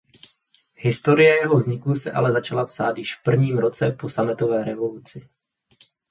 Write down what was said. Historie jeho vzniku se ale začala psát již v prvním roce po „sametové revoluci“.